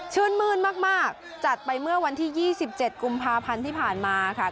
มื้นมากจัดไปเมื่อวันที่๒๗กุมภาพันธ์ที่ผ่านมาค่ะ